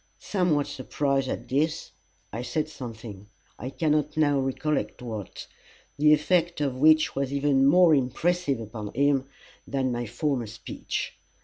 Somewhat surprised at this, I said something, I cannot now recollect what, the effect of which was even more impressive upon him than my former speech.